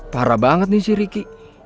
parah banget nih si ricky